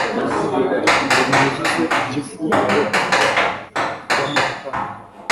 ngo mwuzuze igifu ibyokurya byamoko atandukanye